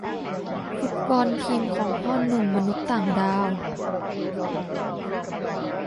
ฟุตบอล ทีมของพ่อหนุ่มมนุษย์ต่างดาว